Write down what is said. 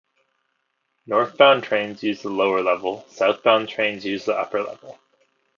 Northbound trains use the lower level; southbound trains use the upper level.